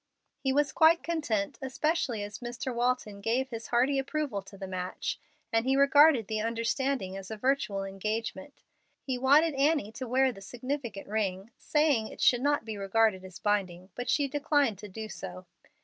He was quite content, especially as Mr. Walton gave his hearty approval to the match, and he regarded the understanding as a virtual engagement. He wanted Annie to wear the significant ring, saying that it should not be regarded as binding, but she declined to do so.